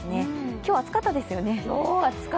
今日、暑かったですよね。